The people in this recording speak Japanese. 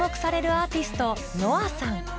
アーティストＮＯＡさん